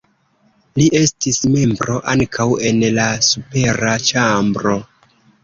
Li estis membro ankaŭ en la supera ĉambro.